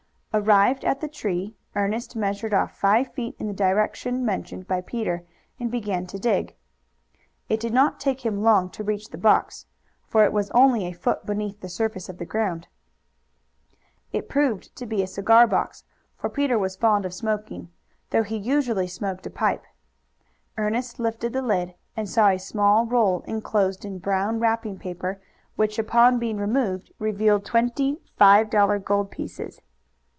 Arrived at the tree, Ernest measured off five feet in the direction mentioned by Peter and began to dig. It did not take him long to reach the box, for it was only a foot beneath the surface of the ground. It proved to be a cigar box, for Peter was fond of smoking, though he usually smoked a pipe. Ernest lifted the lid, and saw a small roll inclosed in brown wrapping paper, which on being removed revealed twenty five dollar gold pieces.